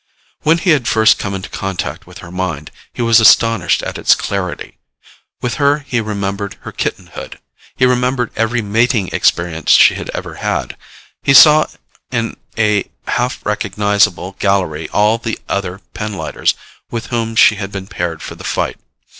When he had first come into contact with her mind, he was astonished at its clarity. With her he remembered her kittenhood. He remembered every mating experience she had ever had. He saw in a half recognizable gallery all the other pinlighters with whom she had been paired for the fight.